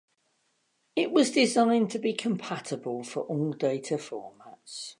It was designed to be compatible for all data formats.